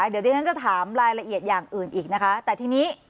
เดี๋ยวดิฉันจะถามรายละเอียดอย่างอื่นอีกนะคะแต่ทีนี้